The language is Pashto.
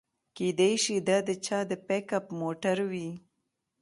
کیدای شي دا د چا د پیک اپ موټر وي